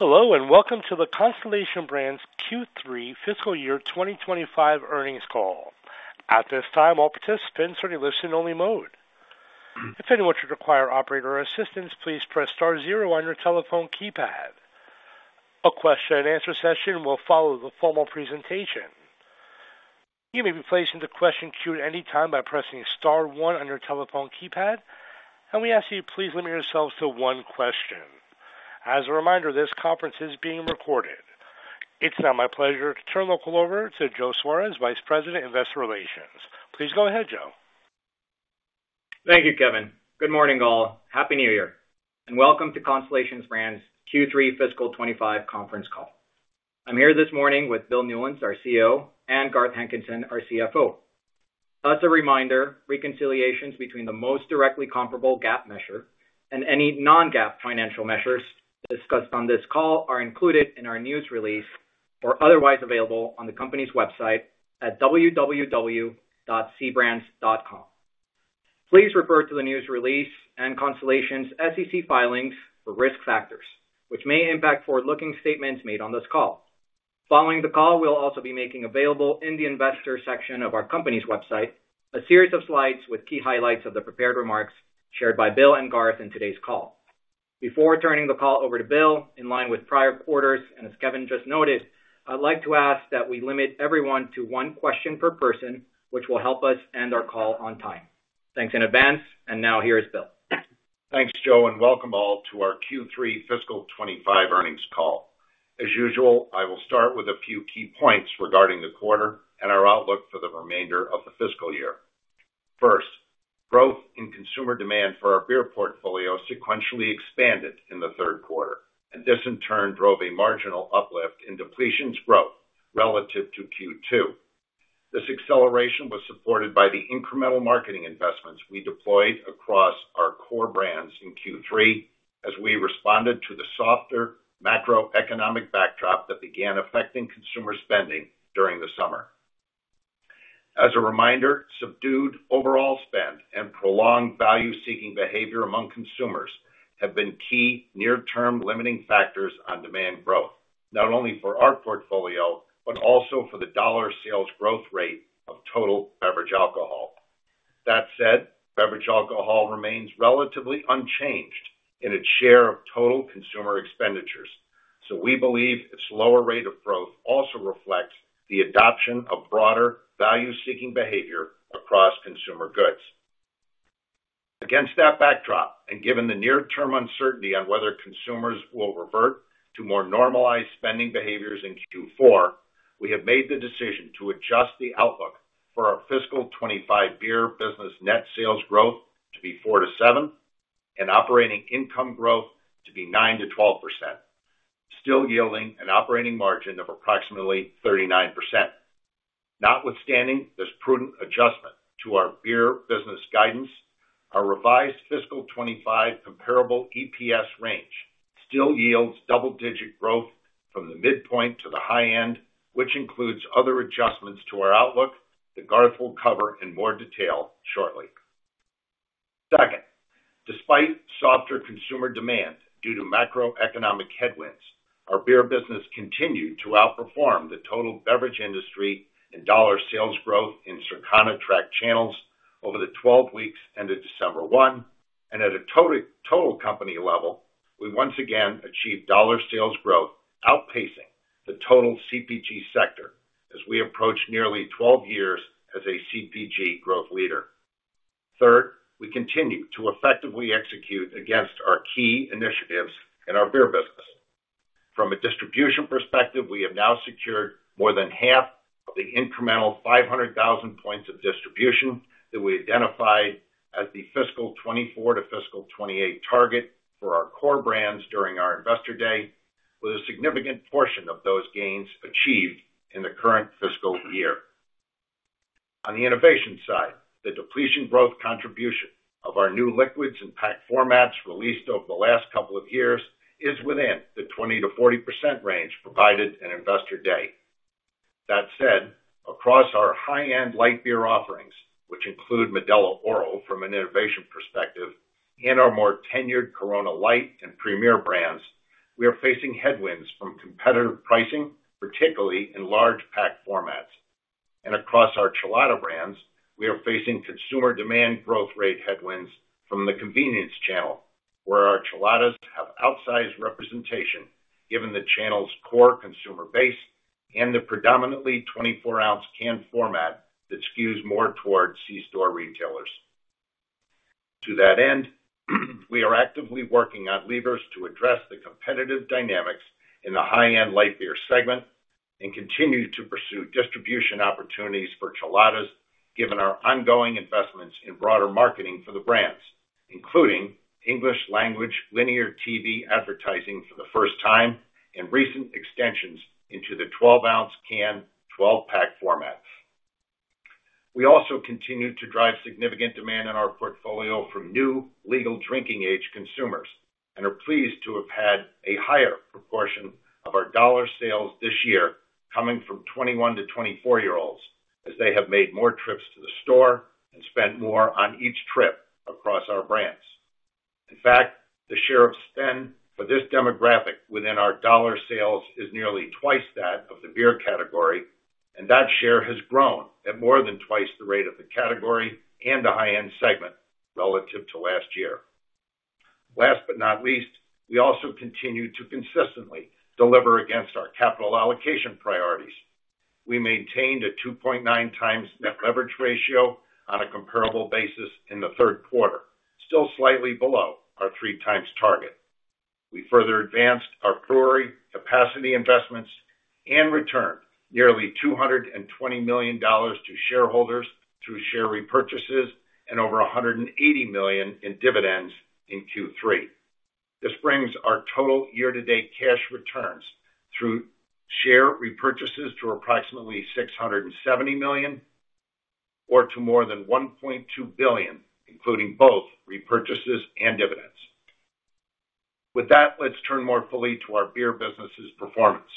Hello and welcome to the Constellation Brands Q3 fiscal year 2025 earnings call. At this time, all participants are in listen-only mode. If anyone should require operator assistance, please press star zero on your telephone keypad. A question-and-answer session will follow the formal presentation. You may be placed into question queue at any time by pressing star one on your telephone keypad, and we ask that you please limit yourselves to one question. As a reminder, this conference is being recorded. It's now my pleasure to turn the call over to Joe Suarez, Vice President, Investor Relations. Please go ahead, Joe. Thank you, Kevin. Good morning, all. Happy New Year, and welcome to Constellation Brands Q3 fiscal 25 conference call. I'm here this morning with Bill Newlands, our CEO, and Garth Hankinson, our CFO. As a reminder, reconciliations between the most directly comparable GAAP measure and any non-GAAP financial measures discussed on this call are included in our news release or otherwise available on the company's website at www.cbrands.com. Please refer to the news release and Constellation's SEC filings for risk factors, which may impact forward-looking statements made on this call. Following the call, we'll also be making available in the investor section of our company's website a series of slides with key highlights of the prepared remarks shared by Bill and Garth in today's call. Before turning the call over to Bill, in line with prior quarters, and as Kevin just noted, I'd like to ask that we limit everyone to one question per person, which will help us end our call on time. Thanks in advance, and now here is Bill. Thanks, Joe, and welcome all to our Q3 fiscal 25 earnings call. As usual, I will start with a few key points regarding the quarter and our outlook for the remainder of the fiscal year. First, growth in consumer demand for our beer portfolio sequentially expanded in the third quarter, and this in turn drove a marginal uplift in depletions growth relative to Q2. This acceleration was supported by the incremental marketing investments we deployed across our core brands in Q3 as we responded to the softer macroeconomic backdrop that began affecting consumer spending during the summer. As a reminder, subdued overall spend and prolonged value-seeking behavior among consumers have been key near-term limiting factors on demand growth, not only for our portfolio but also for the dollar sales growth rate of total beverage alcohol. That said, beverage alcohol remains relatively unchanged in its share of total consumer expenditures, so we believe its lower rate of growth also reflects the adoption of broader value-seeking behavior across consumer goods. Against that backdrop, and given the near-term uncertainty on whether consumers will revert to more normalized spending behaviors in Q4, we have made the decision to adjust the outlook for our fiscal 2025 beer business net sales growth to be 4% to 7% and operating income growth to be 9% to 12%, still yielding an operating margin of approximately 39%. Notwithstanding this prudent adjustment to our beer business guidance, our revised fiscal 2025 comparable EPS range still yields double-digit growth from the midpoint to the high end, which includes other adjustments to our outlook that Garth will cover in more detail shortly. Second, despite softer consumer demand due to macroeconomic headwinds, our beer business continued to outperform the total beverage industry in dollar sales growth in Circana tracked channels over the 12 weeks ended December 1, and at a total company level, we once again achieved dollar sales growth outpacing the total CPG sector as we approach nearly 12 years as a CPG growth leader. Third, we continue to effectively execute against our key initiatives in our beer business. From a distribution perspective, we have now secured more than half of the incremental 500,000 points of distribution that we identified as the fiscal 2024 to fiscal 2028 target for our core brands during our Investor Day, with a significant portion of those gains achieved in the current fiscal year. On the innovation side, the depletion growth contribution of our new liquids and pack formats released over the last couple of years is within the 20%-40% range provided in Investor Day. That said, across our high-end light beer offerings, which include Modelo Oro from an innovation perspective and our more tenured Corona Light and Premier brands, we are facing headwinds from competitive pricing, particularly in large pack formats. And across our Chelada brands, we are facing consumer demand growth rate headwinds from the convenience channel, where our Cheladas have outsized representation given the channel's core consumer base and the predominantly 24-ounce canned format that skews more toward C-store retailers. To that end, we are actively working on levers to address the competitive dynamics in the high-end light beer segment and continue to pursue distribution opportunities for Cheladas, given our ongoing investments in broader marketing for the brands, including English-language linear TV advertising for the first time and recent extensions into the 12-ounce canned 12-pack formats. We also continue to drive significant demand in our portfolio from new legal drinking age consumers and are pleased to have had a higher proportion of our dollar sales this year coming from 21- to 24-year-olds, as they have made more trips to the store and spent more on each trip across our brands. In fact, the share of spend for this demographic within our dollar sales is nearly twice that of the beer category, and that share has grown at more than twice the rate of the category and the high-end segment relative to last year. Last but not least, we also continue to consistently deliver against our capital allocation priorities. We maintained a 2.9 times net leverage ratio on a comparable basis in the third quarter, still slightly below our three-times target. We further advanced our brewery capacity investments and returned nearly $220 million to shareholders through share repurchases and over $180 million in dividends in Q3. This brings our total year-to-date cash returns through share repurchases to approximately $670 million or to more than $1.2 billion, including both repurchases and dividends. With that, let's turn more fully to our beer business's performance.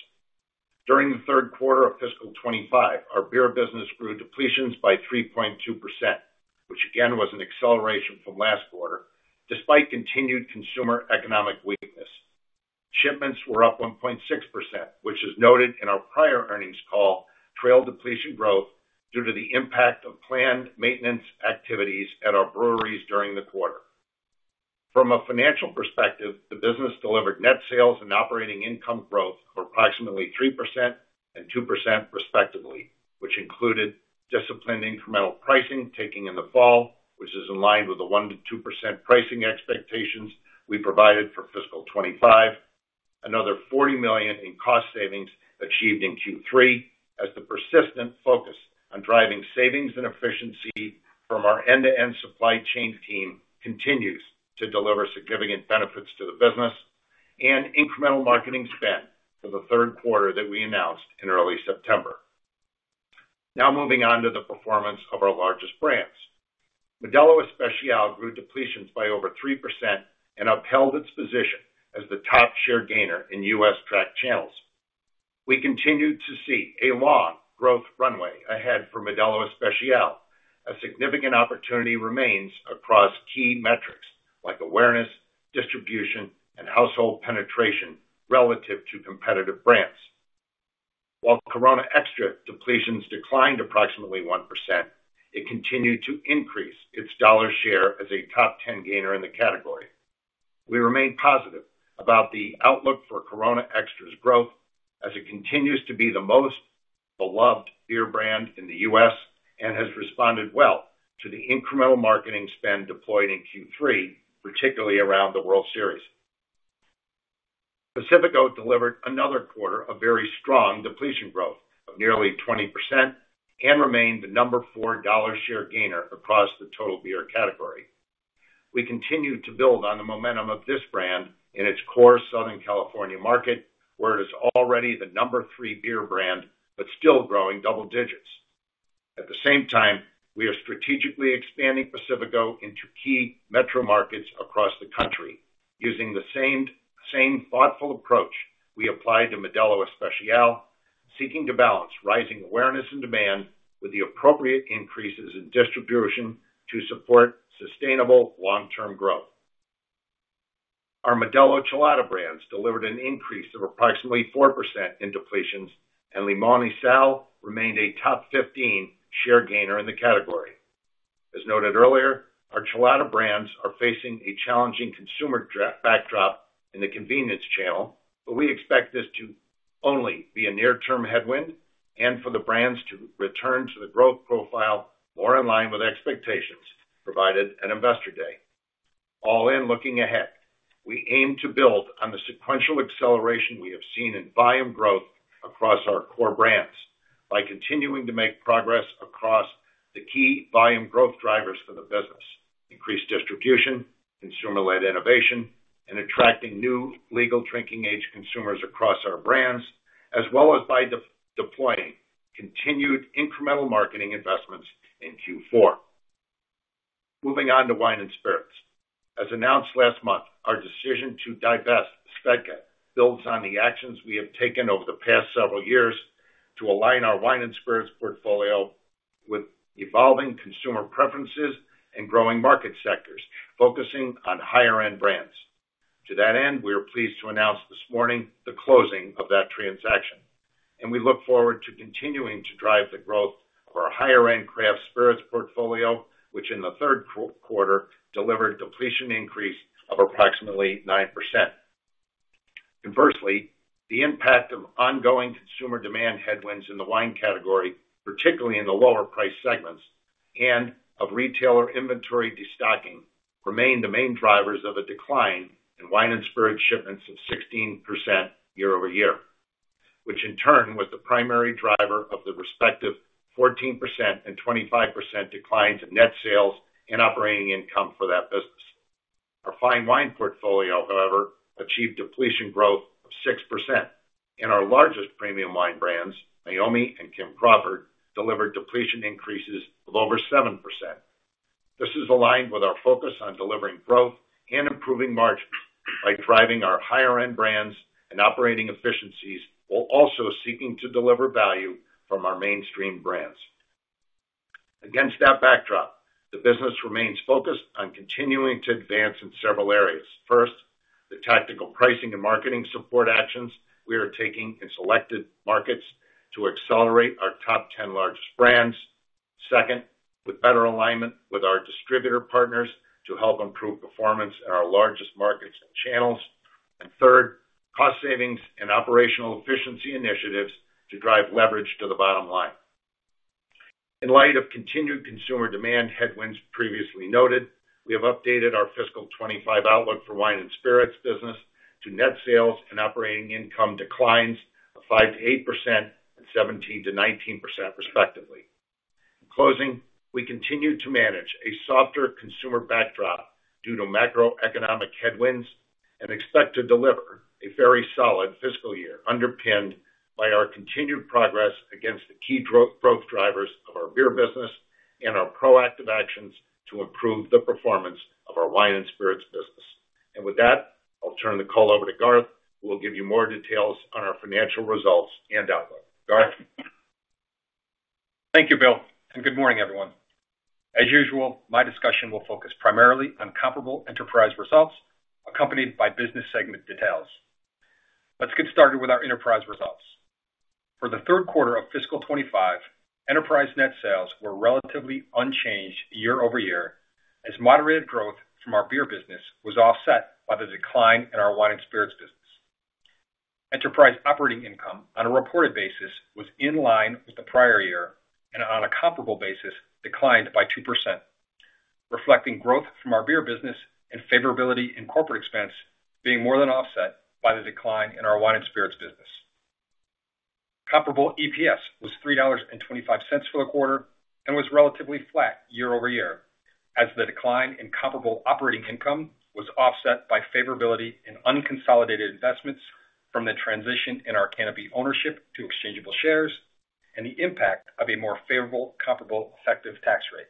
During the third quarter of fiscal 2025, our beer business grew depletions by 3.2%, which again was an acceleration from last quarter, despite continued consumer economic weakness. Shipments were up 1.6%, which is noted in our prior earnings call, trailed depletion growth due to the impact of planned maintenance activities at our breweries during the quarter. From a financial perspective, the business delivered net sales and operating income growth of approximately 3% and 2%, respectively, which included disciplined incremental pricing taking in the fall, which is in line with the 1%-2% pricing expectations we provided for fiscal 2025, another $40 million in cost savings achieved in Q3, as the persistent focus on driving savings and efficiency from our end-to-end supply chain team continues to deliver significant benefits to the business and incremental marketing spend for the third quarter that we announced in early September. Now moving on to the performance of our largest brands. Modelo Especial grew depletions by over 3% and upheld its position as the top share gainer in U.S. tracked channels. We continue to see a long growth runway ahead for Modelo Especial. A significant opportunity remains across key metrics like awareness, distribution, and household penetration relative to competitive brands. While Corona Extra depletions declined approximately 1%, it continued to increase its dollar share as a top 10 gainer in the category. We remain positive about the outlook for Corona Extra's growth, as it continues to be the most beloved beer brand in the U.S. and has responded well to the incremental marketing spend deployed in Q3, particularly around the World Series. Pacifico delivered another quarter of very strong depletion growth of nearly 20% and remained the number four dollar share gainer across the total beer category. We continue to build on the momentum of this brand in its core Southern California market, where it is already the number three beer brand but still growing double digits. At the same time, we are strategically expanding Pacifico into key metro markets across the country, using the same thoughtful approach we applied to Modelo Especial, seeking to balance rising awareness and demand with the appropriate increases in distribution to support sustainable long-term growth. Our Modelo Chelada brands delivered an increase of approximately 4% in depletions, and Limón y Sal remained a top 15 share gainer in the category. As noted earlier, our Chelada brands are facing a challenging consumer backdrop in the convenience channel, but we expect this to only be a near-term headwind and for the brands to return to the growth profile more in line with expectations provided at Investor Day. All in, looking ahead, we aim to build on the sequential acceleration we have seen in volume growth across our core brands by continuing to make progress across the key volume growth drivers for the business: increased distribution, consumer-led innovation, and attracting new legal drinking age consumers across our brands, as well as by deploying continued incremental marketing investments in Q4. Moving on to wine and spirits. As announced last month, our decision to divest Svedka builds on the actions we have taken over the past several years to align our wine and spirits portfolio with evolving consumer preferences and growing market sectors, focusing on higher-end brands. To that end, we are pleased to announce this morning the closing of that transaction, and we look forward to continuing to drive the growth of our higher-end craft spirits portfolio, which in the third quarter delivered depletions increase of approximately 9%. Conversely, the impact of ongoing consumer demand headwinds in the wine category, particularly in the lower-priced segments, and of retailer inventory destocking remain the main drivers of a decline in wine and spirits shipments of 16% year over year, which in turn was the primary driver of the respective 14% and 25% declines in net sales and operating income for that business. Our fine wine portfolio, however, achieved depletion growth of 6%, and our largest premium wine brands, Meiomi and Kim Crawford, delivered depletion increases of over 7%. This is aligned with our focus on delivering growth and improving margins by driving our higher-end brands and operating efficiencies while also seeking to deliver value from our mainstream brands. Against that backdrop, the business remains focused on continuing to advance in several areas. First, the tactical pricing and marketing support actions we are taking in selected markets to accelerate our top 10 largest brands. Second, with better alignment with our distributor partners to help improve performance in our largest markets and channels. And third, cost savings and operational efficiency initiatives to drive leverage to the bottom line. In light of continued consumer demand headwinds previously noted, we have updated our fiscal 2025 outlook for wine and spirits business to net sales and operating income declines of 5%-8% and 17%-19%, respectively. In closing, we continue to manage a softer consumer backdrop due to macroeconomic headwinds and expect to deliver a very solid fiscal year underpinned by our continued progress against the key growth drivers of our beer business and our proactive actions to improve the performance of our wine and spirits business. With that, I'll turn the call over to Garth, who will give you more details on our financial results and outlook. Garth. Thank you, Bill, and good morning, everyone. As usual, my discussion will focus primarily on comparable enterprise results accompanied by business segment details. Let's get started with our enterprise results. For the third quarter of fiscal 2025, enterprise net sales were relatively unchanged year over year, as moderated growth from our beer business was offset by the decline in our wine and spirits business. Enterprise operating income, on a reported basis, was in line with the prior year and, on a comparable basis, declined by 2%, reflecting growth from our beer business and favorability in corporate expense being more than offset by the decline in our wine and spirits business. Comparable EPS was $3.25 for the quarter and was relatively flat year over year, as the decline in comparable operating income was offset by favorability in unconsolidated investments from the transition in our Canopy ownership to exchangeable shares and the impact of a more favorable comparable effective tax rate.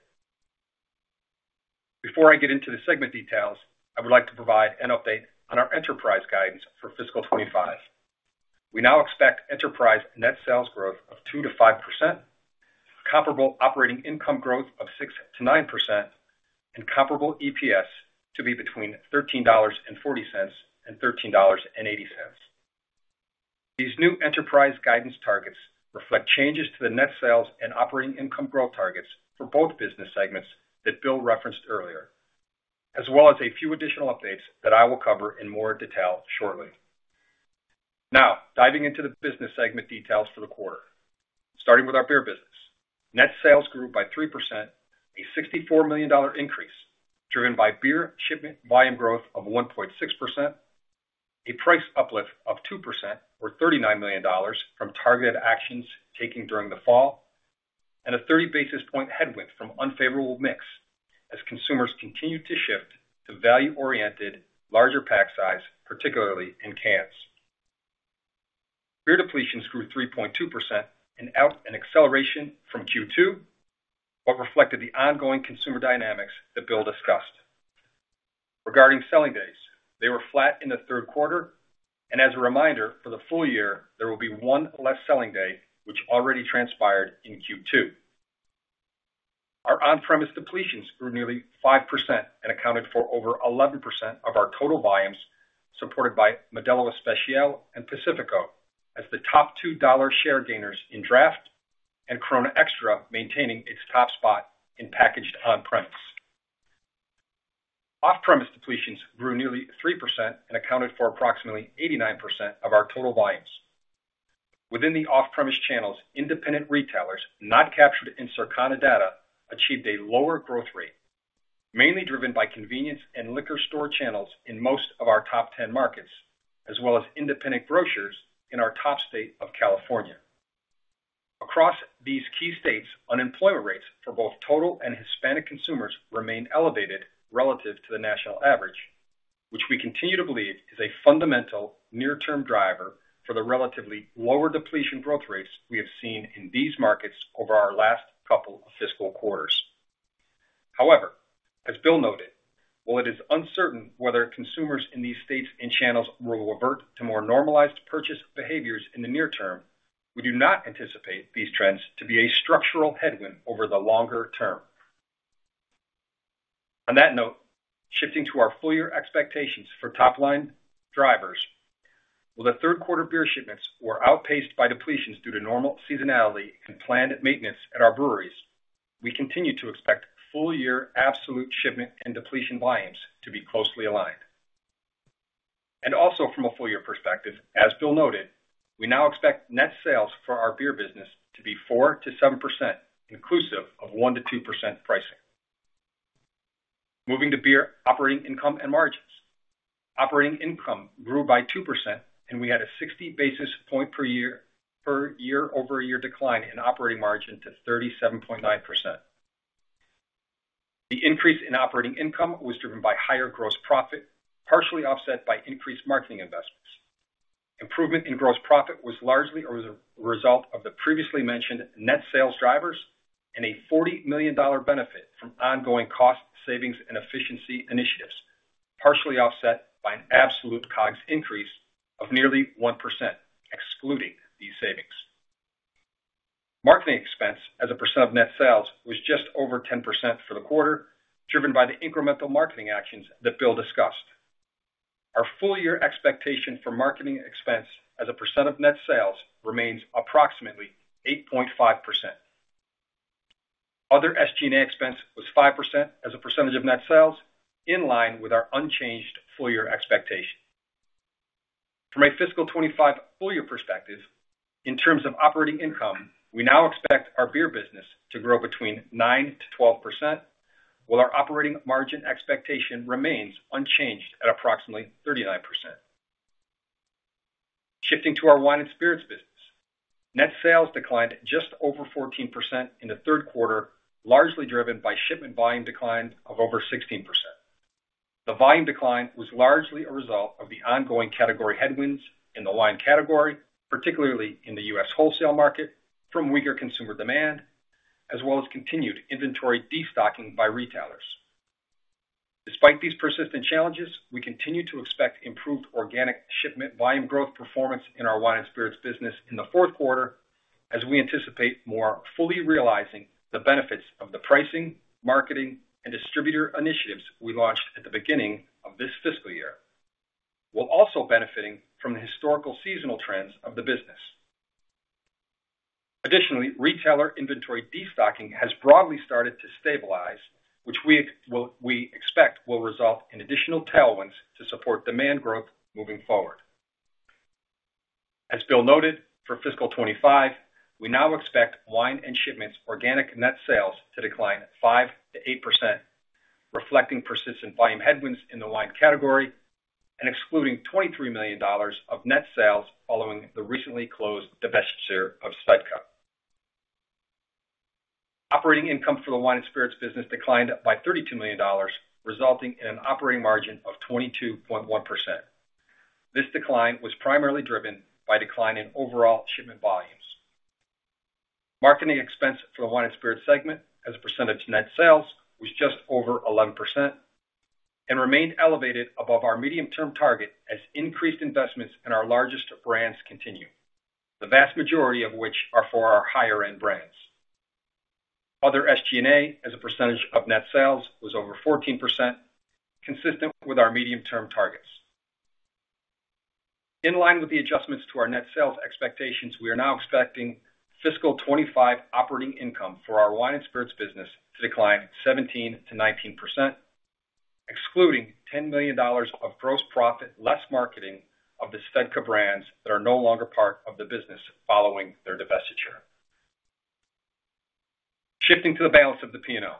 Before I get into the segment details, I would like to provide an update on our enterprise guidance for fiscal 2025. We now expect enterprise net sales growth of 2%-5%, comparable operating income growth of 6%-9%, and comparable EPS to be between $13.40 and $13.80. These new enterprise guidance targets reflect changes to the net sales and operating income growth targets for both business segments that Bill referenced earlier, as well as a few additional updates that I will cover in more detail shortly. Now diving into the business segment details for the quarter, starting with our beer business. Net sales grew by 3%, a $64 million increase driven by beer shipment volume growth of 1.6%, a price uplift of 2%, or $39 million, from targeted actions taken during the fall, and a 30 basis point headwind from unfavorable mix as consumers continued to shift to value-oriented larger pack size, particularly in cans. Beer depletions grew 3.2% and was an acceleration from Q2, but reflected the ongoing consumer dynamics that Bill discussed. Regarding selling days, they were flat in the third quarter, and as a reminder, for the full year, there will be one less selling day, which already transpired in Q2. Our on-premise depletions grew nearly 5% and accounted for over 11% of our total volumes, supported by Modelo Especial and Pacifico as the top two dollar share gainers in draft and Corona Extra, maintaining its top spot in packaged on-premise. Off-premise depletions grew nearly 3% and accounted for approximately 89% of our total volumes. Within the off-premise channels, independent retailers not captured in Circana data achieved a lower growth rate, mainly driven by convenience and liquor store channels in most of our top 10 markets, as well as independent grocers in our top state of California. Across these key states, unemployment rates for both total and Hispanic consumers remain elevated relative to the national average, which we continue to believe is a fundamental near-term driver for the relatively lower depletion growth rates we have seen in these markets over our last couple of fiscal quarters. However, as Bill noted, while it is uncertain whether consumers in these states and channels will revert to more normalized purchase behaviors in the near term, we do not anticipate these trends to be a structural headwind over the longer term. On that note, shifting to our full year expectations for top line drivers, while the third quarter beer shipments were outpaced by depletions due to normal seasonality and planned maintenance at our breweries, we continue to expect full year absolute shipment and depletion volumes to be closely aligned. And also, from a full year perspective, as Bill noted, we now expect net sales for our beer business to be 4%-7%, inclusive of 1%-2% pricing. Moving to beer operating income and margins. Operating income grew by 2%, and we had a 60 basis point year-over-year decline in operating margin to 37.9%. The increase in operating income was driven by higher gross profit, partially offset by increased marketing investments. Improvement in gross profit was largely a result of the previously mentioned net sales drivers and a $40 million benefit from ongoing cost savings and efficiency initiatives, partially offset by an absolute COGS increase of nearly 1%, excluding these savings. Marketing expense as a percent of net sales was just over 10% for the quarter, driven by the incremental marketing actions that Bill discussed. Our full year expectation for marketing expense as a percent of net sales remains approximately 8.5%. Other SG&A expense was 5% as a percentage of net sales, in line with our unchanged full year expectation. From a fiscal 2025 full year perspective, in terms of operating income, we now expect our beer business to grow between 9%-12%, while our operating margin expectation remains unchanged at approximately 39%. Shifting to our wine and spirits business, net sales declined just over 14% in the third quarter, largely driven by shipment volume declines of over 16%. The volume decline was largely a result of the ongoing category headwinds in the wine category, particularly in the U.S. wholesale market, from weaker consumer demand, as well as continued inventory destocking by retailers. Despite these persistent challenges, we continue to expect improved organic shipment volume growth performance in our wine and spirits business in the fourth quarter, as we anticipate more fully realizing the benefits of the pricing, marketing, and distributor initiatives we launched at the beginning of this fiscal year, while also benefiting from the historical seasonal trends of the business. Additionally, retailer inventory destocking has broadly started to stabilize, which we expect will result in additional tailwinds to support demand growth moving forward. As Bill noted, for fiscal 2025, we now expect wine and spirits shipments' organic net sales to decline 5%-8%, reflecting persistent volume headwinds in the wine category and excluding $23 million of net sales following the recently closed divestiture of Casa Noble. Operating income for the wine and spirits business declined by $32 million, resulting in an operating margin of 22.1%. This decline was primarily driven by a decline in overall shipment volumes. Marketing expense for the wine and spirits segment, as a percent of net sales, was just over 11% and remained elevated above our medium-term target as increased investments in our largest brands continue, the vast majority of which are for our higher-end brands. Other SG&A, as a percentage of net sales, was over 14%, consistent with our medium-term targets. In line with the adjustments to our net sales expectations, we are now expecting fiscal 2025 operating income for our wine and spirits business to decline 17% to 19%, excluding $10 million of gross profit less marketing of the Svedka brands that are no longer part of the business following their divestiture. Shifting to the balance of the P&L,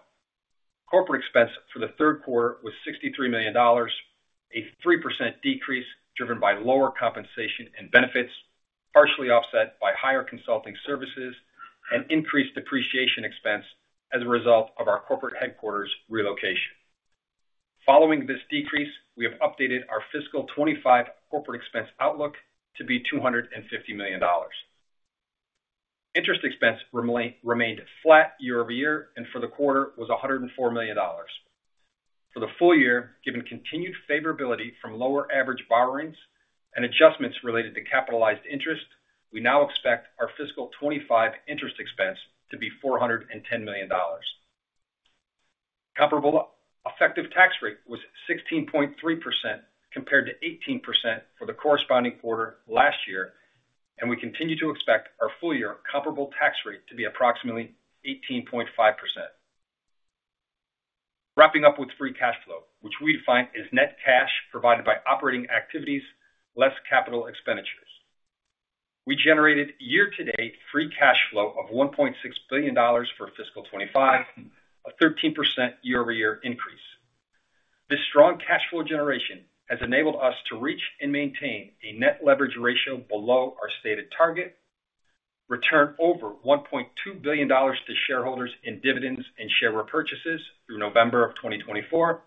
corporate expense for the third quarter was $63 million, a 3% decrease driven by lower compensation and benefits, partially offset by higher consulting services and increased depreciation expense as a result of our corporate headquarters relocation. Following this decrease, we have updated our fiscal 25 corporate expense outlook to be $250 million. Interest expense remained flat year over year, and for the quarter, it was $104 million. For the full year, given continued favorability from lower average borrowings and adjustments related to capitalized interest, we now expect our fiscal 25 interest expense to be $410 million. Comparable effective tax rate was 16.3%, compared to 18% for the corresponding quarter last year, and we continue to expect our full year comparable tax rate to be approximately 18.5%. Wrapping up with free cash flow, which we define as net cash provided by operating activities less capital expenditures. We generated year-to-date free cash flow of $1.6 billion for fiscal 2025, a 13% year-over-year increase. This strong cash flow generation has enabled us to reach and maintain a net leverage ratio below our stated target, return over $1.2 billion to shareholders in dividends and share repurchases through November of 2024,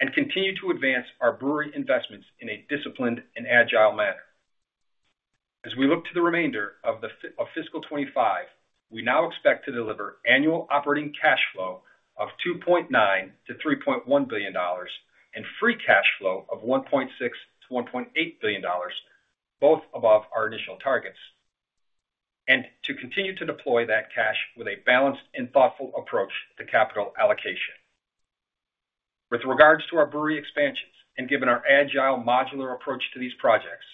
and continue to advance our brewery investments in a disciplined and agile manner. As we look to the remainder of fiscal 2025, we now expect to deliver annual operating cash flow of $2.9-$3.1 billion and free cash flow of $1.6-$1.8 billion, both above our initial targets, and to continue to deploy that cash with a balanced and thoughtful approach to capital allocation. With regards to our brewery expansions and given our agile, modular approach to these projects,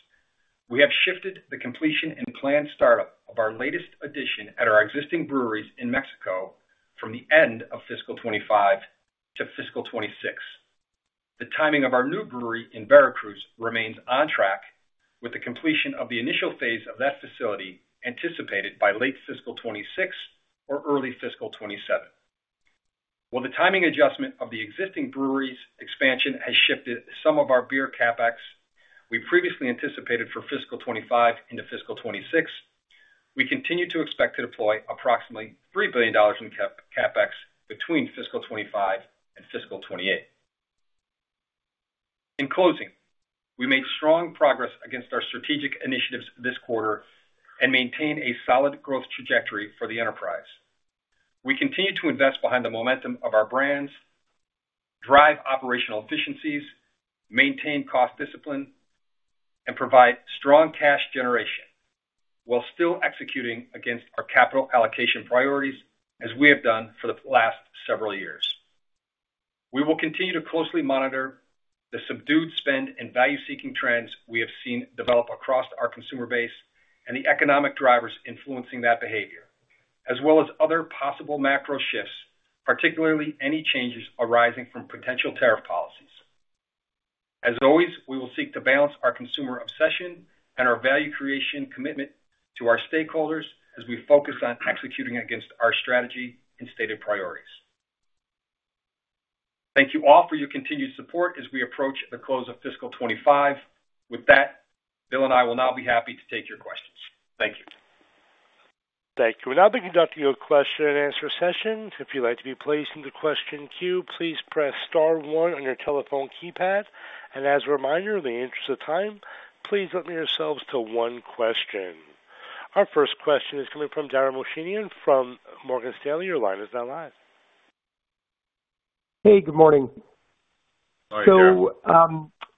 we have shifted the completion and planned startup of our latest addition at our existing breweries in Mexico from the end of fiscal 25 to fiscal 26. The timing of our new brewery in Veracruz remains on track, with the completion of the initial phase of that facility anticipated by late fiscal 26 or early fiscal 27. While the timing adjustment of the existing breweries' expansion has shifted some of our beer CapEx we previously anticipated for fiscal 25 into fiscal 26, we continue to expect to deploy approximately $3 billion in CapEx between fiscal 25 and fiscal 28. In closing, we made strong progress against our strategic initiatives this quarter and maintain a solid growth trajectory for the enterprise. We continue to invest behind the momentum of our brands, drive operational efficiencies, maintain cost discipline, and provide strong cash generation while still executing against our capital allocation priorities, as we have done for the last several years. We will continue to closely monitor the subdued spend and value-seeking trends we have seen develop across our consumer base and the economic drivers influencing that behavior, as well as other possible macro shifts, particularly any changes arising from potential tariff policies. As always, we will seek to balance our consumer obsession and our value creation commitment to our stakeholders as we focus on executing against our strategy and stated priorities. Thank you all for your continued support as we approach the close of fiscal 2025. With that, Bill and I will now be happy to take your questions. Thank you. Thank you. Now, we're conducting your question and answer session. If you'd like to be placed in the question queue, please press star one on your telephone keypad. And as a reminder, in the interest of time, please limit yourselves to one question. Our first question is coming from Dara Mohsenian from Morgan Stanley. Your line is now live. Hey, good morning. All right, good morning. So,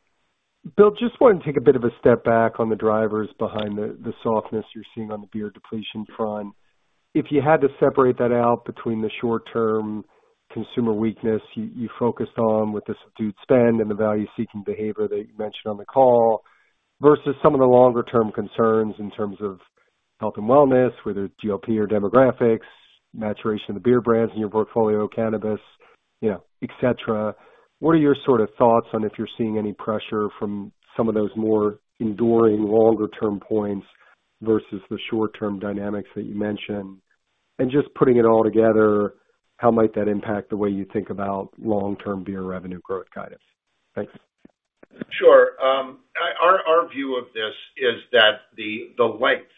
Bill, just wanted to take a bit of a step back on the drivers behind the softness you're seeing on the beer depletion front. If you had to separate that out between the short-term consumer weakness you focused on with the subdued spend and the value-seeking behavior that you mentioned on the call versus some of the longer-term concerns in terms of health and wellness, whether it's GLP or demographics, maturation of the beer brands in your portfolio, cannabis, et cetera, what are your sort of thoughts on if you're seeing any pressure from some of those more enduring longer-term points versus the short-term dynamics that you mentioned? And just putting it all together, how might that impact the way you think about long-term beer revenue growth guidance? Thanks. Sure. Our view of this is that the length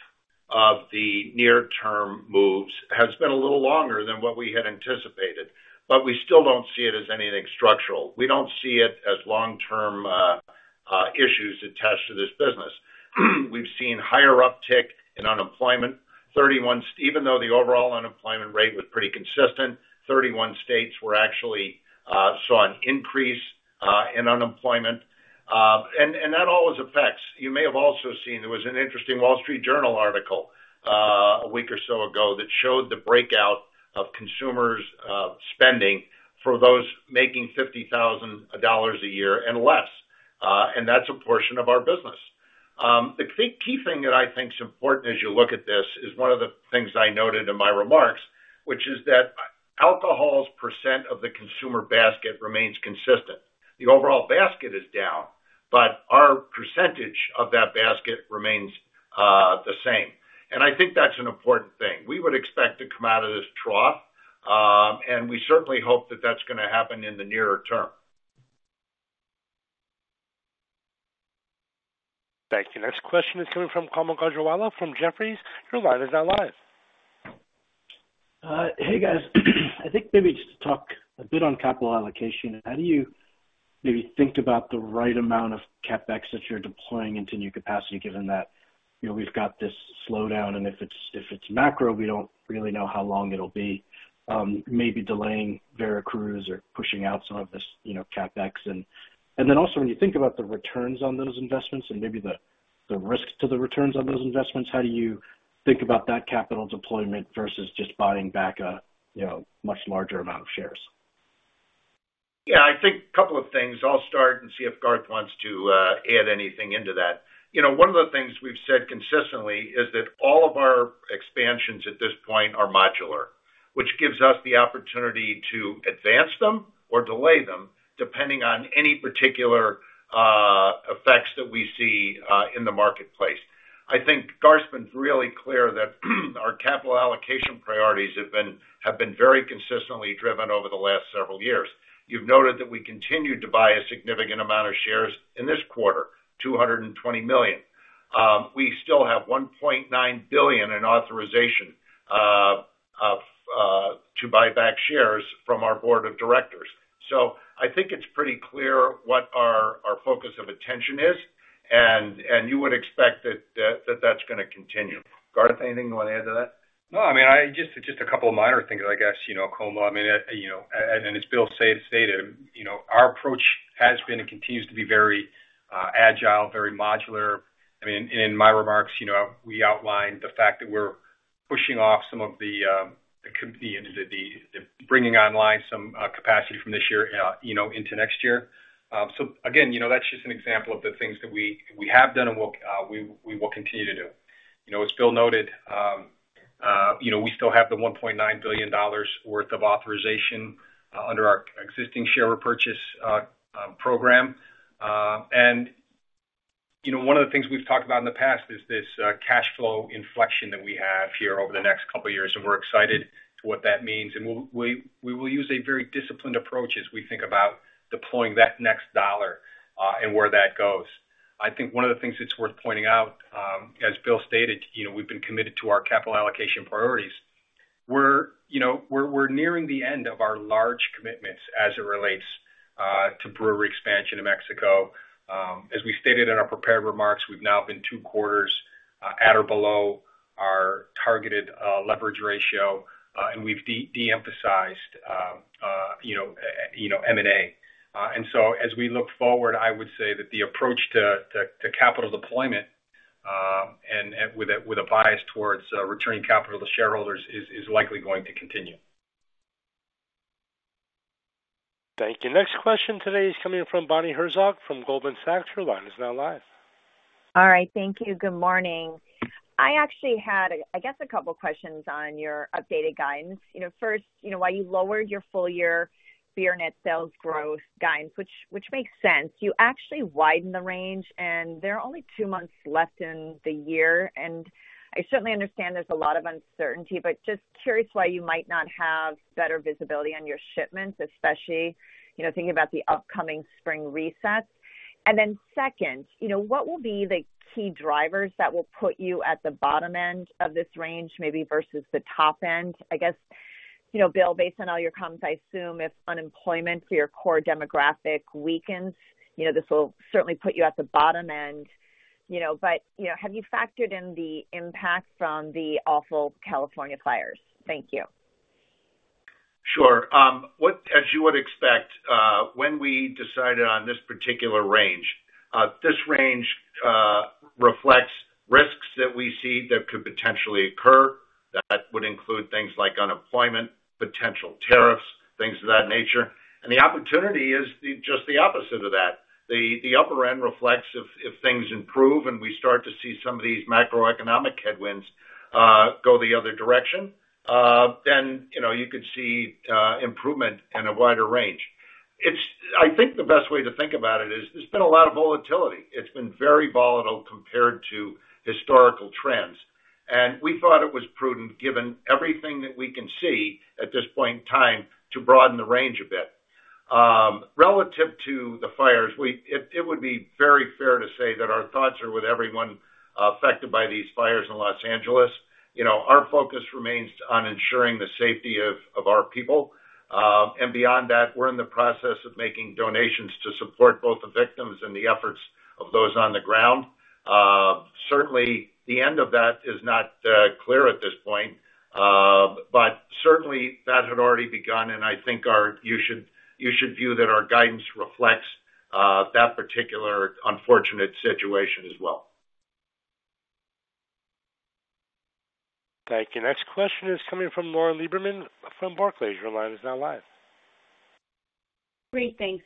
of the near-term moves has been a little longer than what we had anticipated, but we still don't see it as anything structural. We don't see it as long-term issues attached to this business. We've seen higher uptick in unemployment. Even though the overall unemployment rate was pretty consistent, 31 states actually saw an increase in unemployment, and that always affects. You may have also seen there was an interesting Wall Street Journal article a week or so ago that showed the breakdown of consumers' spending for those making $50,000 a year and less, and that's a portion of our business. The key thing that I think is important as you look at this is one of the things I noted in my remarks, which is that alcohol's percent of the consumer basket remains consistent. The overall basket is down, but our percentage of that basket remains the same, and I think that's an important thing. We would expect to come out of this trough, and we certainly hope that that's going to happen in the nearer term. Thank you. Next question is coming from Kaumil Gajrawala from Jefferies. Your line is now live. Hey, guys. I think maybe just to talk a bit on capital allocation. How do you maybe think about the right amount of CapEx that you're deploying into new capacity, given that we've got this slowdown? And if it's macro, we don't really know how long it'll be. Maybe delaying Veracruz or pushing out some of this CapEx. And then also, when you think about the returns on those investments and maybe the risk to the returns on those investments, how do you think about that capital deployment versus just buying back a much larger amount of shares? Yeah, I think a couple of things. I'll start and see if Garth wants to add anything into that. One of the things we've said consistently is that all of our expansions at this point are modular, which gives us the opportunity to advance them or delay them, depending on any particular effects that we see in the marketplace. I think Garth's been really clear that our capital allocation priorities have been very consistently driven over the last several years. You've noted that we continued to buy a significant amount of shares in this quarter, $220 million. We still have $1.9 billion in authorization to buy back shares from our board of directors. So I think it's pretty clear what our focus of attention is, and you would expect that that's going to continue. Garth, anything you want to add to that? No, I mean, just a couple of minor things, I guess, Kaumil, and as Bill stated, our approach has been and continues to be very agile, very modular. I mean, in my remarks, we outlined the fact that we're pushing off some of the bringing online some capacity from this year into next year. So again, that's just an example of the things that we have done and we will continue to do. As Bill noted, we still have the $1.9 billion worth of authorization under our existing share repurchase program. One of the things we've talked about in the past is this cash flow inflection that we have here over the next couple of years, and we're excited about what that means. We will use a very disciplined approach as we think about deploying that next dollar and where that goes. I think one of the things that's worth pointing out, as Bill stated, we've been committed to our capital allocation priorities. We're nearing the end of our large commitments as it relates to brewery expansion in Mexico. As we stated in our prepared remarks, we've now been two quarters at or below our targeted leverage ratio, and we've de-emphasized M&A, and so as we look forward, I would say that the approach to capital deployment with a bias towards returning capital to shareholders is likely going to continue. Thank you. Next question today is coming from Bonnie Herzog from Goldman Sachs. Her line is now live. All right. Thank you. Good morning. I actually had, I guess, a couple of questions on your updated guidance. First, why you lowered your full year beer net sales growth guidance, which makes sense. You actually widened the range, and there are only two months left in the year. And I certainly understand there's a lot of uncertainty, but just curious why you might not have better visibility on your shipments, especially thinking about the upcoming spring reset. And then second, what will be the key drivers that will put you at the bottom end of this range, maybe versus the top end? I guess, Bill, based on all your comments, I assume if unemployment for your core demographic weakens, this will certainly put you at the bottom end. But have you factored in the impact from the awful California fires? Thank you. Sure. As you would expect, when we decided on this particular range, this range reflects risks that we see that could potentially occur. That would include things like unemployment, potential tariffs, things of that nature. The opportunity is just the opposite of that. The upper end reflects if things improve and we start to see some of these macroeconomic headwinds go the other direction, then you could see improvement in a wider range. I think the best way to think about it is there's been a lot of volatility. It's been very volatile compared to historical trends. And we thought it was prudent, given everything that we can see at this point in time, to broaden the range a bit. Relative to the fires, it would be very fair to say that our thoughts are with everyone affected by these fires in Los Angeles. Our focus remains on ensuring the safety of our people. And beyond that, we're in the process of making donations to support both the victims and the efforts of those on the ground. Certainly, the end of that is not clear at this point, but certainly that had already begun, and I think you should view that our guidance reflects that particular unfortunate situation as well. Thank you. Next question is coming from Lauren Lieberman from Barclays. Your line is now live. Great, thanks.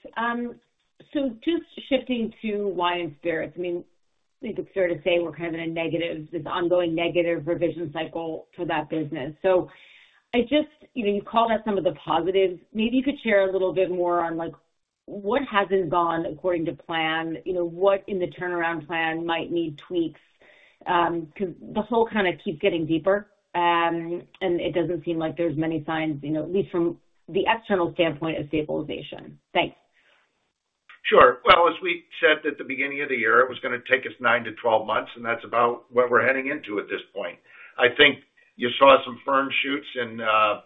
So just shifting to wines and spirits, I mean, I think it's fair to say we're kind of in a negative, this ongoing negative revision cycle for that business. So I just, you called out some of the positives. Maybe you could share a little bit more on what hasn't gone according to plan, what in the turnaround plan might need tweaks, because the hole kind of keeps getting deeper, and it doesn't seem like there's many signs, at least from the external standpoint of stabilization. Thanks. Sure. As we said at the beginning of the year, it was going to take us nine to 12 months, and that's about where we're heading into at this point. I think you saw some first shoots in Q3.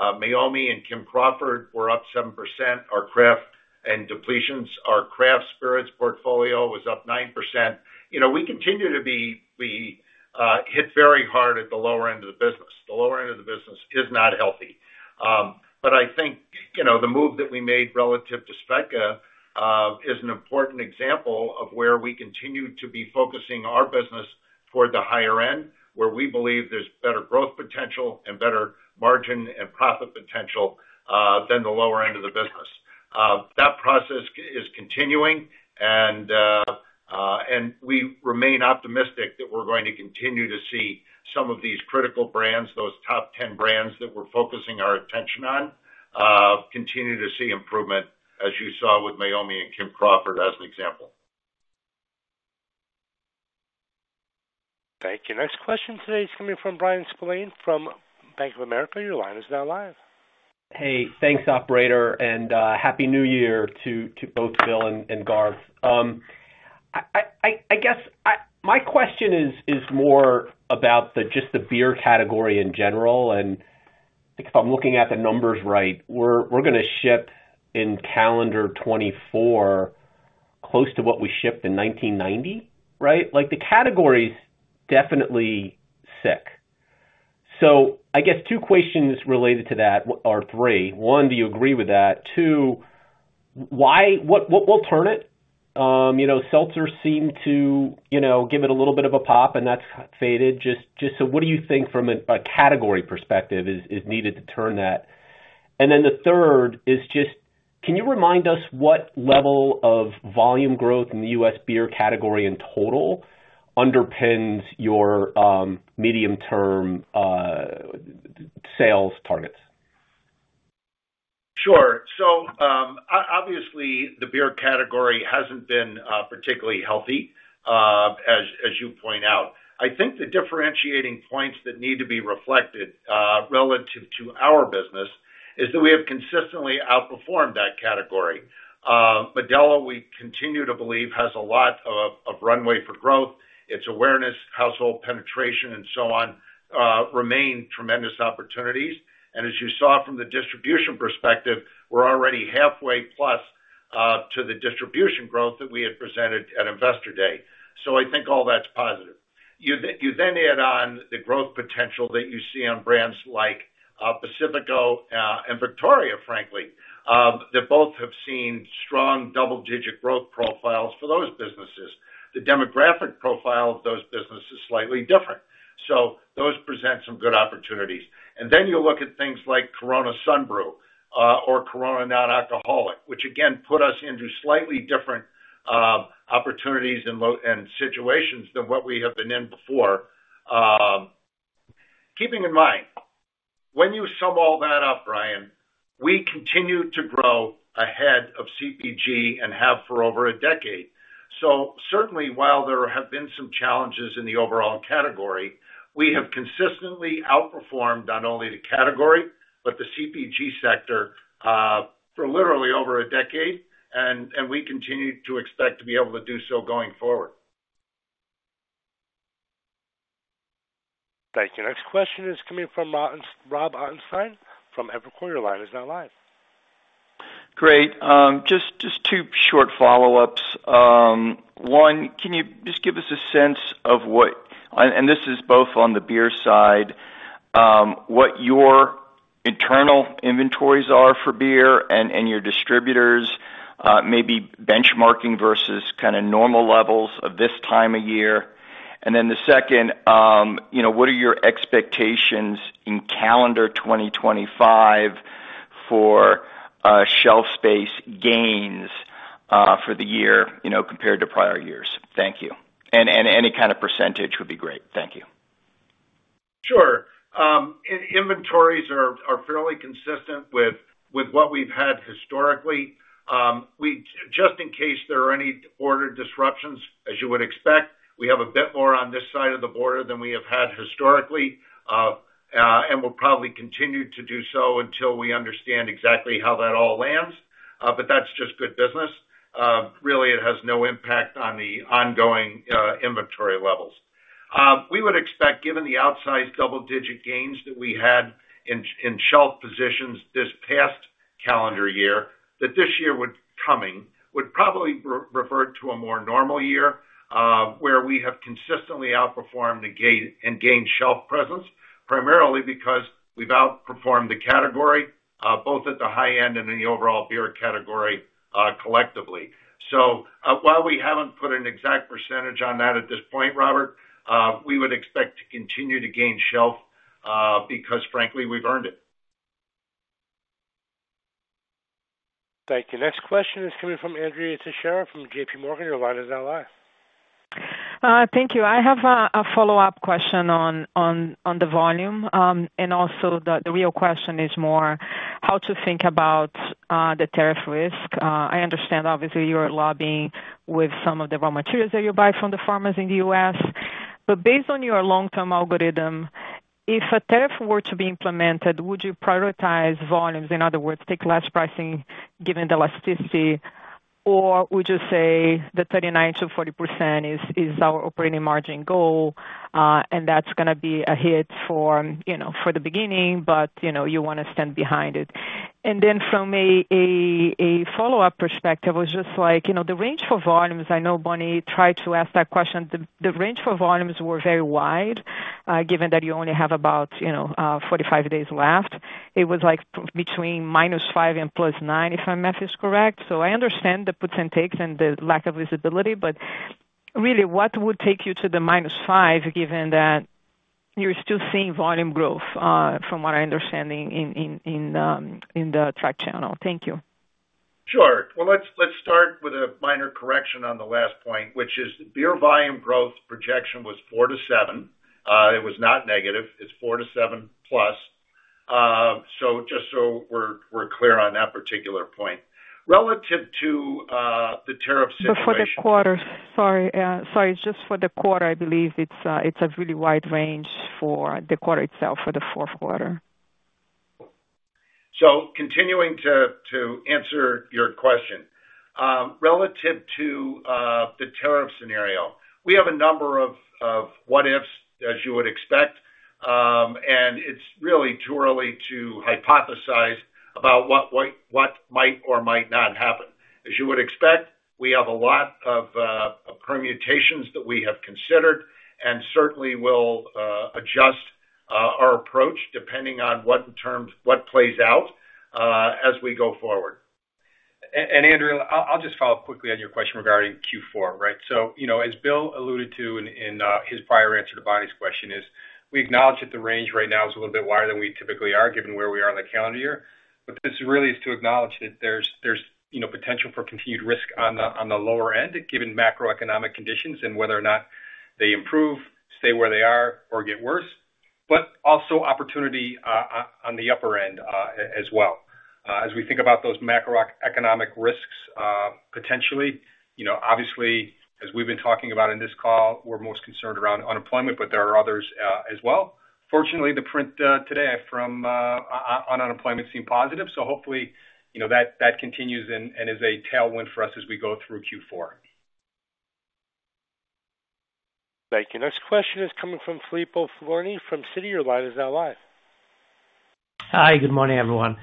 Meiomi and Kim Crawford were up 7%. Our depletions, our craft spirits portfolio was up 9%. We continue to be hit very hard at the lower end of the business. The lower end of the business is not healthy. But I think the move that we made relative to Svedka is an important example of where we continue to be focusing our business toward the higher end, where we believe there's better growth potential and better margin and profit potential than the lower end of the business. That process is continuing, and we remain optimistic that we're going to continue to see some of these critical brands, those top 10 brands that we're focusing our attention on, continue to see improvement, as you saw with Meiomi and Kim Crawford as an example. Thank you. Next question today is coming from Bryan Spillane from Bank of America. Your line is now live. Hey, thanks, operator. And happy New Year to both Bill and Garth. I guess my question is more about just the beer category in general. And if I'm looking at the numbers right, we're going to ship in calendar 2024 close to what we shipped in 1990, right? The category's definitely sick. So I guess two questions related to that are three. One, do you agree with that? Two, what will turn it? seltzer seemed to give it a little bit of a pop, and that's faded. So what do you think from a category perspective is needed to turn that? And then the third is just, can you remind us what level of volume growth in the U.S. beer category in total underpins your medium-term sales targets? Sure. So obviously, the beer category hasn't been particularly healthy, as you point out. I think the differentiating points that need to be reflected relative to our business is that we have consistently outperformed that category. Modelo, we continue to believe, has a lot of runway for growth. Its awareness, household penetration, and so on remain tremendous opportunities. And as you saw from the distribution perspective, we're already halfway plus to the distribution growth that we had presented at Investor Day. So I think all that's positive. You then add on the growth potential that you see on brands like Pacifico and Victoria, frankly, that both have seen strong double-digit growth profiles for those businesses. The demographic profile of those businesses is slightly different. So those present some good opportunities. And then you look at things like Corona Sunbrew or Corona Non-Alcoholic, which again put us into slightly different opportunities and situations than what we have been in before. Keeping in mind, when you sum all that up, Brian, we continue to grow ahead of CPG and have for over a decade. So certainly, while there have been some challenges in the overall category, we have consistently outperformed not only the category but the CPG sector for literally over a decade, and we continue to expect to be able to do so going forward. Thank you. Next question is coming from Rob Ottenstein from Evercore. You're on the line. He's now live. Great. Just two short follow-ups. One, can you just give us a sense of what, and this is both on the beer side, what your internal inventories are for beer and your distributors, maybe benchmarking versus kind of normal levels of this time of year? And then the second, what are your expectations in calendar 2025 for shelf space gains for the year compared to prior years? Thank you. And any kind of percentage would be great. Thank you. Sure. Inventories are fairly consistent with what we've had historically. Just in case there are any border disruptions, as you would expect, we have a bit more on this side of the border than we have had historically, and we'll probably continue to do so until we understand exactly how that all lands. But that's just good business. Really, it has no impact on the ongoing inventory levels. We would expect, given the outsized double-digit gains that we had in shelf positions this past calendar year, that this year would probably refer to a more normal year where we have consistently outperformed and gained shelf presence, primarily because we've outperformed the category both at the high end and in the overall beer category collectively. So while we haven't put an exact percentage on that at this point, Robert, we would expect to continue to gain shelf because, frankly, we've earned it. Thank you. Next question is coming from Andrea Teixeira from J.P. Morgan. Your line is now live. Thank you. I have a follow-up question on the volume, and also, the real question is more how to think about the tariff risk. I understand, obviously, you're lobbying with some of the raw materials that you buy from the farmers in the U.S. But based on your long-term algorithm, if a tariff were to be implemented, would you prioritize volumes, in other words, take less pricing given the elasticity, or would you say the 39%-40% is our operating margin goal, and that's going to be a hit for the beginning, but you want to stand behind it? And then from a follow-up perspective, I was just like, the range for volumes—I know Bonnie tried to ask that question—the range for volumes were very wide, given that you only have about 45 days left. It was like between minus 5 and plus 9, if my math is correct. So I understand the puts and takes and the lack of visibility, but really, what would take you to the -5 given that you're still seeing volume growth, from what I understand, in the tracked channel? Thank you. Sure. Well, let's start with a minor correction on the last point, which is beer volume growth projection was 4-7. It was not negative. It's 4-7 plus. So just so we're clear on that particular point. Relative to the tariff situation. But for the quarter. Sorry. Sorry. Just for the quarter, I believe it's a really wide range for the quarter itself for the fourth quarter. So continuing to answer your question, relative to the tariff scenario, we have a number of what-ifs, as you would expect. And it's really too early to hypothesize about what might or might not happen. As you would expect, we have a lot of permutations that we have considered and certainly will adjust our approach depending on what plays out as we go forward, and Andrea, I'll just follow up quickly on your question regarding Q4, right, so as Bill alluded to in his prior answer to Bonnie's question, we acknowledge that the range right now is a little bit wider than we typically are, given where we are in the calendar year, but this really is to acknowledge that there's potential for continued risk on the lower end, given macroeconomic conditions and whether or not they improve, stay where they are, or get worse, but also opportunity on the upper end as well. As we think about those macroeconomic risks, potentially, obviously, as we've been talking about in this call, we're most concerned around unemployment, but there are others as well. Fortunately, the print today from the one on unemployment seemed positive. So hopefully, that continues and is a tailwind for us as we go through Q4. Thank you. Next question is coming from Filippo Falorni from Citi. Your line is now live. Hi. Good morning, everyone.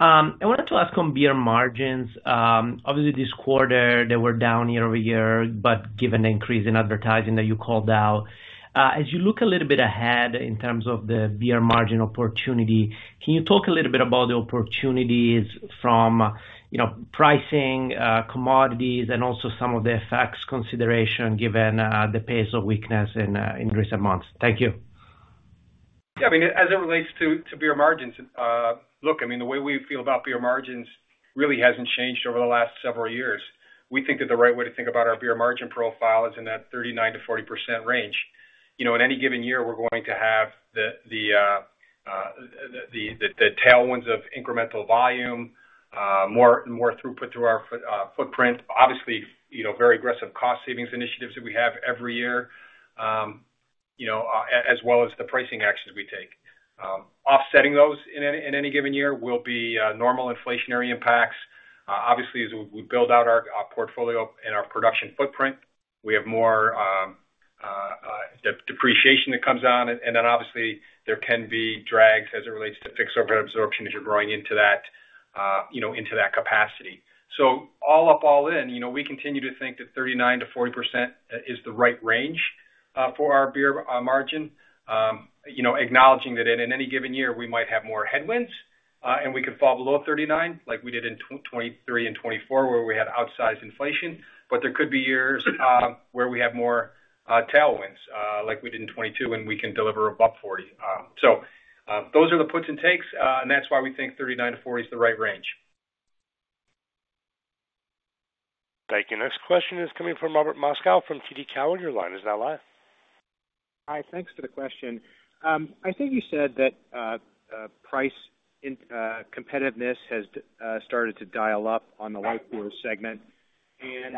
I wanted to ask on beer margins. Obviously, this quarter, they were down year over year, but given the increase in advertising that you called out, as you look a little bit ahead in terms of the beer margin opportunity, can you talk a little bit about the opportunities from pricing, commodities, and also some of the effects consideration given the pace of weakness in recent months? Thank you. Yeah. I mean, as it relates to beer margins, look, I mean, the way we feel about beer margins really hasn't changed over the last several years. We think that the right way to think about our beer margin profile is in that 39%-40% range. In any given year, we're going to have the tailwinds of incremental volume, more throughput through our footprint, obviously, very aggressive cost savings initiatives that we have every year, as well as the pricing actions we take. Offsetting those in any given year will be normal inflationary impacts. Obviously, as we build out our portfolio and our production footprint, we have more depreciation that comes on, and then, obviously, there can be drags as it relates to fixed overhead absorption as you're growing into that capacity. So all up, all in, we continue to think that 39%-40% is the right range for our beer margin, acknowledging that in any given year, we might have more headwinds, and we could fall below 39% like we did in 2023 and 2024, where we had outsized inflation. But there could be years where we have more tailwinds like we did in 2022, and we can deliver above 40%. So those are the puts and takes, and that's why we think 39%-40% is the right range. Thank you. Next question is coming from Robert Moskow from TD Cowen. Your line is now live. Hi. Thanks for the question. I think you said that price competitiveness has started to dial up on the light beer segment. And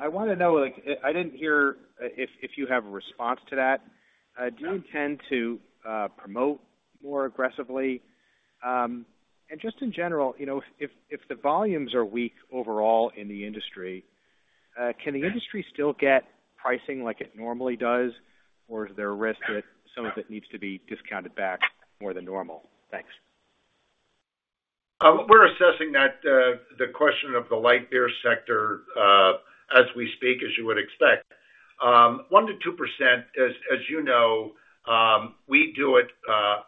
I want to know. I didn't hear if you have a response to that. Do you intend to promote more aggressively, and just in general, if the volumes are weak overall in the industry, can the industry still get pricing like it normally does, or is there a risk that some of it needs to be discounted back more than normal? Thanks. We're assessing the question of the light beer sector as we speak, as you would expect. 1%-2%, as you know, we do it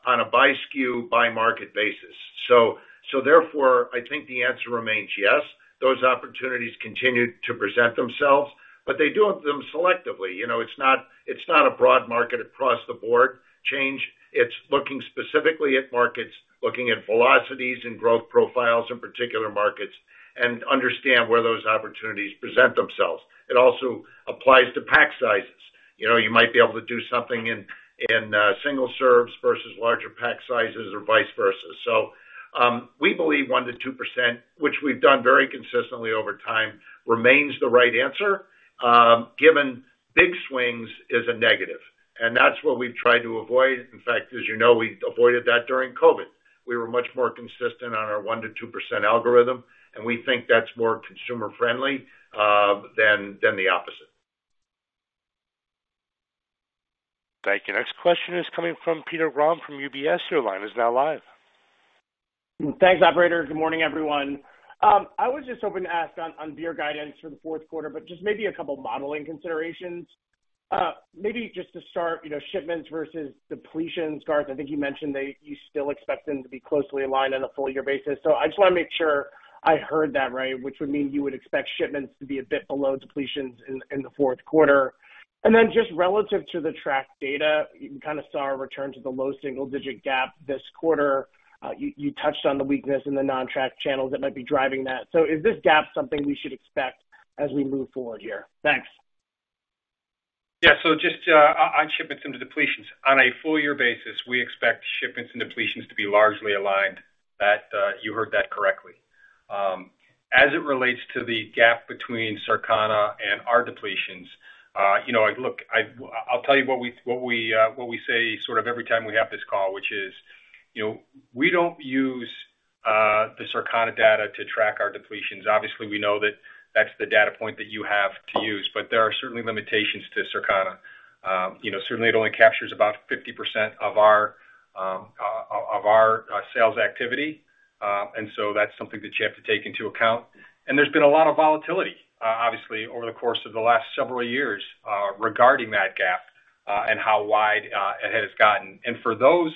on a by SKU, by market basis. So therefore, I think the answer remains yes. Those opportunities continue to present themselves, but they do them selectively. It's not a broad market across the board change. It's looking specifically at markets, looking at velocities and growth profiles in particular markets, and understand where those opportunities present themselves. It also applies to pack sizes. You might be able to do something in single serves versus larger pack sizes or vice versa. So we believe 1%-2%, which we've done very consistently over time, remains the right answer, given big swings is a negative. And that's what we've tried to avoid. In fact, as you know, we avoided that during COVID. We were much more consistent on our 1%-2% algorithm, and we think that's more consumer-friendly than the opposite. Thank you. Next question is coming from Peter Grom from UBS. Your line is now live. Thanks, Operator. Good morning, everyone. I was just hoping to ask on beer guidance for the fourth quarter, but just maybe a couple of modeling considerations. Maybe just to start, shipments versus depletions, Garth, I think you mentioned that you still expect them to be closely aligned on a full-year basis. So I just want to make sure I heard that right, which would mean you would expect shipments to be a bit below depletions in the fourth quarter. And then just relative to the tracked data, you kind of saw a return to the low single-digit gap this quarter. You touched on the weakness in the non-tracked channels that might be driving that. So is this gap something we should expect as we move forward here? Thanks. Yeah. So just on shipments and depletions. On a full-year basis, we expect shipments and depletions to be largely aligned. You heard that correctly. As it relates to the gap between Circana and our depletions, look, I'll tell you what we say sort of every time we have this call, which is we don't use the Circana data to track our depletions. Obviously, we know that that's the data point that you have to use, but there are certainly limitations to Circana. Certainly, it only captures about 50% of our sales activity. And so that's something that you have to take into account. And there's been a lot of volatility, obviously, over the course of the last several years regarding that gap and how wide it has gotten. And for those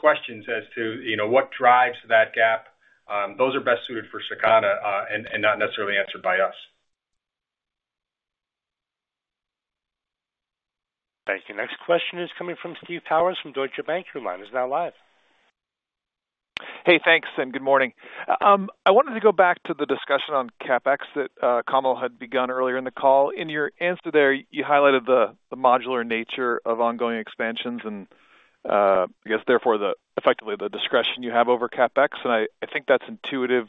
questions as to what drives that gap, those are best suited for Circana and not necessarily answered by us. Thank you. Next question is coming from Steve Powers from Deutsche Bank. Your line is now live. Hey, thanks, and good morning. I wanted to go back to the discussion on CapEx that Garth had begun earlier in the call. In your answer there, you highlighted the modular nature of ongoing expansions and, I guess, therefore, effectively, the discretion you have over CapEx. And I think that's intuitive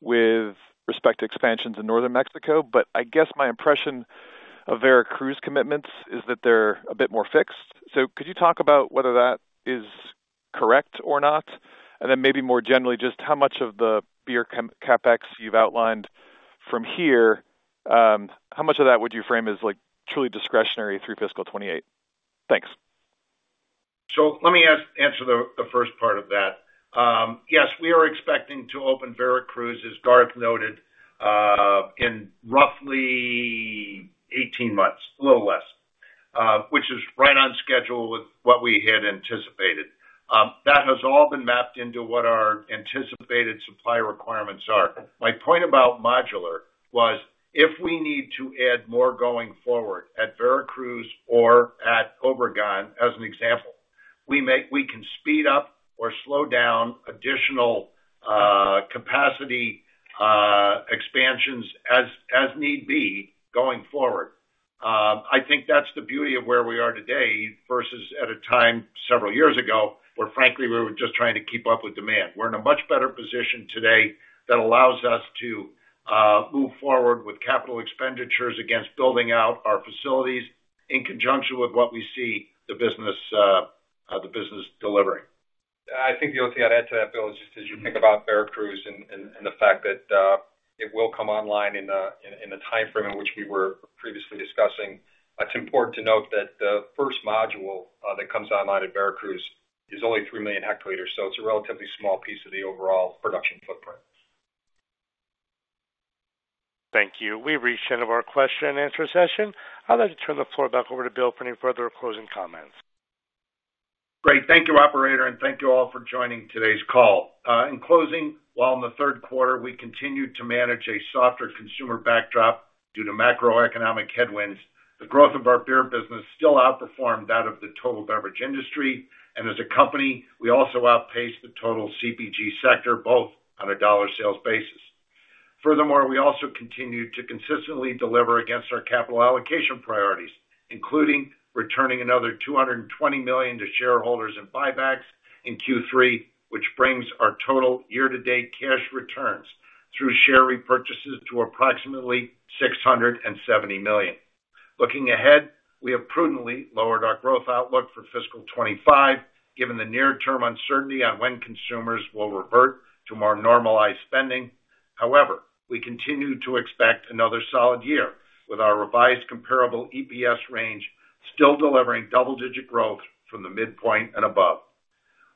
with respect to expansions in Northern Mexico. But I guess my impression of Veracruz commitments is that they're a bit more fixed. So could you talk about whether that is correct or not? And then maybe more generally, just how much of the beer CapEx you've outlined from here, how much of that would you frame as truly discretionary through fiscal 2028? Thanks. So let me answer the first part of that. Yes, we are expecting to open Veracruz, as Garth noted, in roughly 18 months, a little less, which is right on schedule with what we had anticipated. That has all been mapped into what our anticipated supply requirements are. My point about modular was if we need to add more going forward at Veracruz or at Obregón, as an example, we can speed up or slow down additional capacity expansions as need be going forward. I think that's the beauty of where we are today versus at a time several years ago where, frankly, we were just trying to keep up with demand. We're in a much better position today that allows us to move forward with capital expenditures against building out our facilities in conjunction with what we see the business delivering. I think the only thing I'd add to that, Bill, is just as you think about Veracruz and the fact that it will come online in the timeframe in which we were previously discussing, it's important to note that the first module that comes online at Veracruz is only 3 million hectoliters. So it's a relatively small piece of the overall production footprint. Thank you. We've reached the end of our question-and-answer session. I'd like to turn the floor back over to Bill for any further closing comments. Great. Thank you, Operator, and thank you all for joining today's call. In closing, while in the third quarter, we continued to manage a softer consumer backdrop due to macroeconomic headwinds, the growth of our beer business still outperformed that of the total beverage industry. And as a company, we also outpaced the total CPG sector, both on a dollar sales basis. Furthermore, we also continued to consistently deliver against our capital allocation priorities, including returning another $220 million to shareholders and buybacks in Q3, which brings our total year-to-date cash returns through share repurchases to approximately $670 million. Looking ahead, we have prudently lowered our growth outlook for fiscal 2025, given the near-term uncertainty on when consumers will revert to more normalized spending. However, we continue to expect another solid year with our revised comparable EPS range still delivering double-digit growth from the midpoint and above,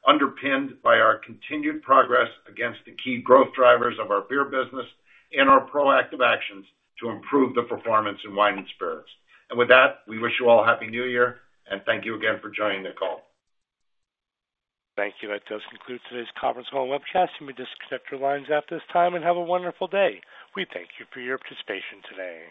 underpinned by our continued progress against the key growth drivers of our beer business and our proactive actions to improve the performance in wine and spirits, and with that, we wish you all a happy new year, and thank you again for joining the call. Thank you. That does conclude today's conference call and webcast. You may disconnect your lines at this time and have a wonderful day. We thank you for your participation today.